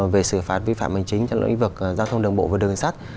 về sửa phạt vi phạm hình chính trong lĩnh vực giao thông đường bộ và đường sắt